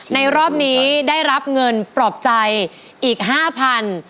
รอบนี้ได้รับเงินปลอบใจอีกห้าพัน